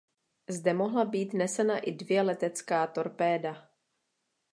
Zde mohla být nesena i dvě letecká torpéda.